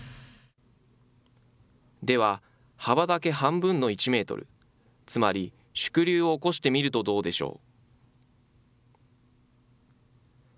では、幅だけ半分の１メートル、つまり、縮流を起こしてみるとどうでしょう。